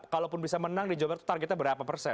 kalaupun bisa menang di jogja targetnya berapa persen